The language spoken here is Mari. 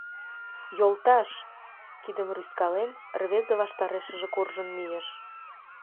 Йолташ! — кидым рӱзкален, рвезе ваштарешыже куржын мийыш.